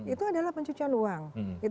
itu adalah pencucian uang